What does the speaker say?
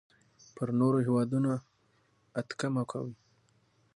پر نورو هېوادونو اتکا مه کوئ.